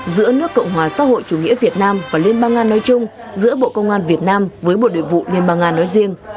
giữa nước cộng hòa xã hội chủ nghĩa việt nam và liên bang nga nói chung giữa bộ công an việt nam với bộ nội vụ liên bang nga nói riêng